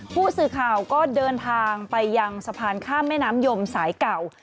ผู้สื่อข่าวก็เดินทางไปยังสะพานข้ามแม่น้ำยมสายเก่า